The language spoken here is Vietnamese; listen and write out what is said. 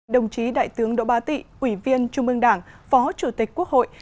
đồng chí đại tướng đỗ ba tị ủy viên trung ương đảng phó chủ tịch quốc hội